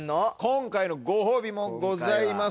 今回のご褒美もございます。